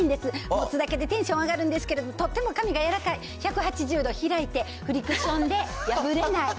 持つだけでテンション上がるんですけれども、とっても紙が柔らかい、１８０度開いて、フリクションで破れない。